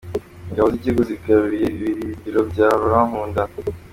Ingabo z’igihugu zigaruriye ibirindiro bya Rolankunda